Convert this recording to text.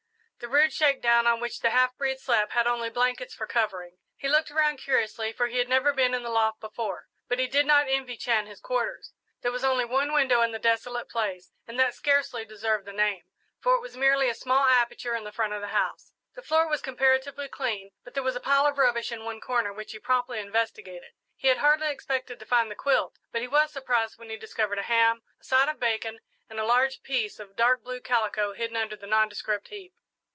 The rude shakedown on which the half breed slept had only blankets for covering. He looked around curiously, for he had never been in the loft before, but he did not envy Chan his quarters. There was only one window in the desolate place, and that scarcely deserved the name, for it was merely a small aperture in the front of the house. The floor was comparatively clean, but there was a pile of rubbish in one corner, which he promptly investigated. He had hardly expected to find the quilt, but he was surprised when he discovered a ham, a side of bacon, and a large piece of dark blue calico hidden under the nondescript heap.